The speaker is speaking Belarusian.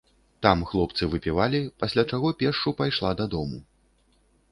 Там хлопцы выпівалі, пасля чаго пешшу пайшла дадому.